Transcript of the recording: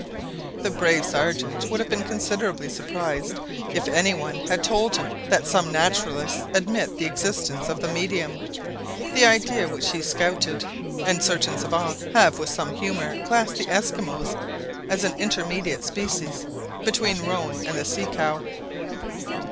The brave Sergeant would have been considerably surprised if any one had told him that some naturalists admit the existence of the " medium," the idea of which he scouted; and certain savants have with some humour classed the Esquimaux as an " intermediate species " between roan and the sea cow.